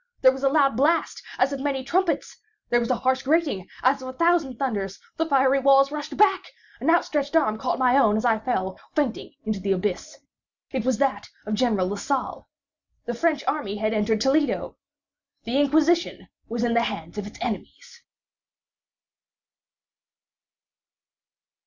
There was a loud blast as of many trumpets! There was a harsh grating as of a thousand thunders! The fiery walls rushed back! An outstretched arm caught my own as I fell, fainting, into the abyss. It was that of General Lasalle. The French army had entered Toledo. The Inquisition was in the hands of its enemies.